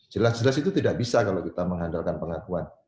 jelas jelas itu tidak bisa kalau kita mengandalkan pengakuan